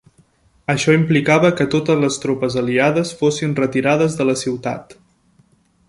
Això implicava que totes les tropes aliades fossin retirades de la ciutat.